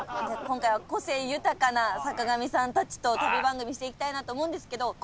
今回は個性豊かな坂上さんたちと旅番組していきたいなと思うんですけど。